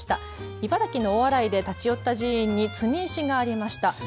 茨城の大洗で立ち寄った寺院に積石がありました。